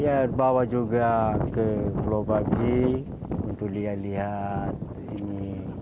ya bawa juga ke pulau pagi untuk lihat lihat ini